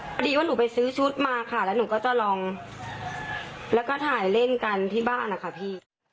พอดีว่าหนูไปซื้อชุดมาค่ะแล้วหนูก็จะลองแล้วก็ถ่ายเล่นกันที่บ้านนะคะพี่